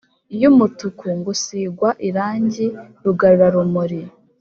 y’umutuku nGusigwa irangi rgarurarumuri